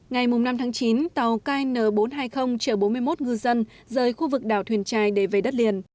ngày năm tháng chín tàu kn bốn trăm hai mươi bốn mươi một ngư dân rời khu vực đảo thuyền trài để về đất liền